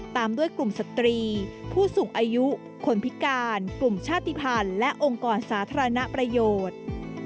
ตามด้วยกลุ่มสตรีผู้สูงอายุคนพิการกลุ่มชาติภัณฑ์และองค์กรสาธารณประโยชน์